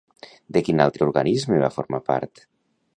De quin altre organisme va formar part?